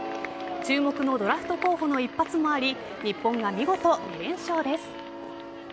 注目のドラフト候補の一発もあり日本が見事、２連勝です。